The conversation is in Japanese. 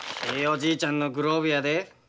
ひいおじいちゃんのグローブやで。